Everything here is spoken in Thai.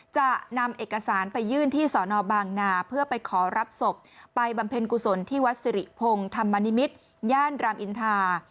จะนำเอกสารไปยื่นที่สอนอบางนาเพื่อไปขอรับศพไปบำเพ็ญกุศลที่วัดสิริพงศ์ธรรมนิมิตรย่านรามอินทา